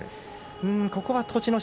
ここは栃ノ